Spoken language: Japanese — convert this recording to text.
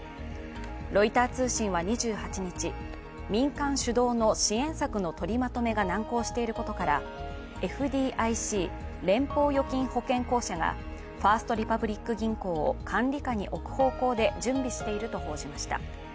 ロイター通信は２８日、民間主導の支援策の取りまとめが難航していることからＦＤＩＣ＝連邦預金保険公社がファースト・リパブリック銀行を管理下に置く方向で準備していると報じました。